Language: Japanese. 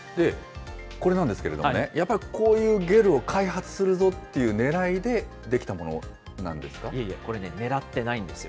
これなんですけれどもね、やっぱりこういうゲルを開発するぞっていうねらいで出来たものないえいえ、これね、ねらってないんですよ。